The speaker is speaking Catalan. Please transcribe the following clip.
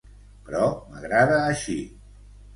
Però m'agrada així.